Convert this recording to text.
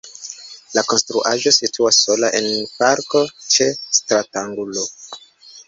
La konstruaĵo situas sola en parko ĉe stratangulo.